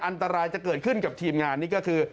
อันตรายจะเกิดขึ้นกับทีมงานนี่ก็คือ